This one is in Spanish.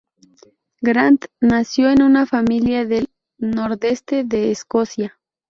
Grant nació en una familia del nordeste de Escocia.